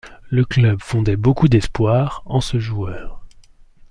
Le club fondait beaucoup d'espoirs en ce joueur.